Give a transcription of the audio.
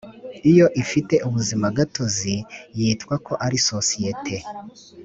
Iyo ifite ubuzimagatozi yitwa ko ari sosiyete